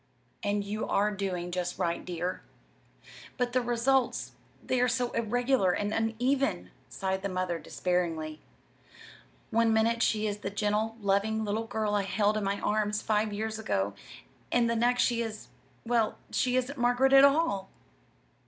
"And you are doing just right, dear." "But the results they are so irregular and uneven," sighed the mother, despairingly. "One minute she is the gentle, loving little girl I held in my arms five years ago; and the next she is well, she isn't Margaret at all."